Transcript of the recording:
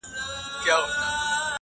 سپوږمۍ د خدای روی مي دروړی!!